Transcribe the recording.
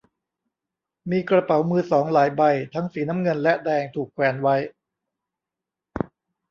มีกระเป๋ามือสองหลายใบ ทั้งสีน้ำเงินและแดง ถูกแขวนไว้